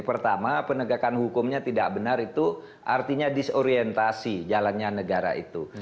pertama penegakan hukumnya tidak benar itu artinya disorientasi jalannya negara itu